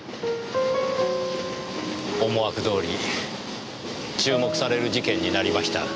思惑どおり注目される事件になりました。